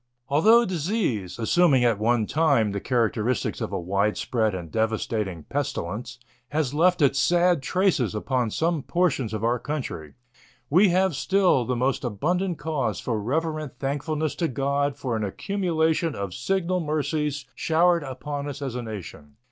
Although disease, assuming at one time the characteristics of a widespread and devastating pestilence, has left its sad traces upon some portions of our country, we have still the most abundant cause for reverent thankfulness to God for an accumulation of signal mercies showered upon us as a nation.